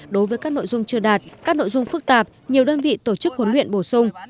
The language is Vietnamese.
đối với các nội dung chưa đạt các nội dung phức tạp nhiều đơn vị tổ chức huấn luyện bổ sung